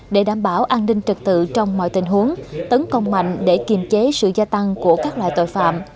để đảm bảo an ninh trật tự trong mọi tình huống tấn công mạnh để kiềm chế sự gia tăng của các loại tội phạm